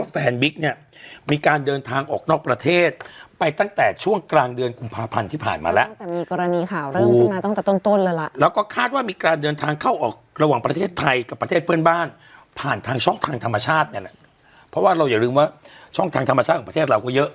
เพราะว่าเราอย่าลืมว่าช่องทางธรรมชาติของประเทศเราก็เยอะ